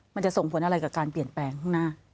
มันจะส่งผลอะไรกับการเปลี่ยนแปลงข้างหน้า